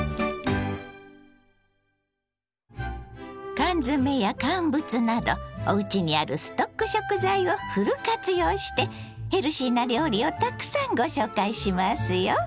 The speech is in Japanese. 缶詰や乾物などおうちにあるストック食材をフル活用してヘルシーな料理をたくさんご紹介しますよ。